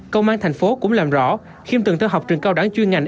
công an tp hcm cũng làm rõ khiêm từng thơ học trường cao đẳng chuyên ngành